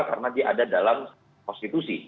karena dia ada dalam konstitusi